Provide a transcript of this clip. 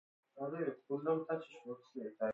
عقربک